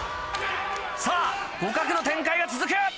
さぁ互角の展開が続く。